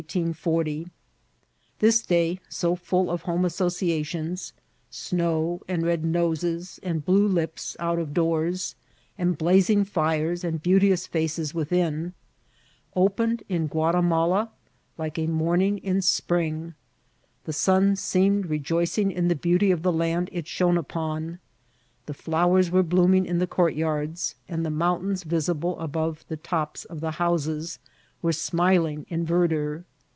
This day, so full of home asso ciations— snow, and red noses, and blue lips out of doors, and blazing fires and beauteous £aces within— qpened in Guatimala like a morning in spring. The sun seemed rejoicing in the beauty of the land it shone upon. The flowers were blooming in the courtyards, and the mountains, visible above the tops of the houses, were smiling in verdure.